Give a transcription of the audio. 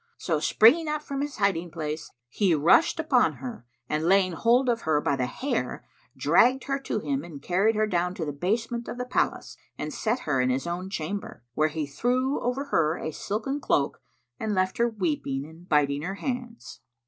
So springing up from his hiding place, he rushed upon her and laying hold of her by the hair dragged her to him and carried her down to the basement of the palace and set her in his own chamber, where he threw over her a silken cloak[FN#70] and left her weeping and biting her hands.